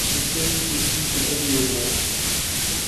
The series received an Emmy Award.